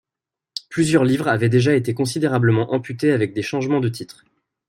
Plusieurs livres avaient déjà été considérablement amputés avant des changements de titres.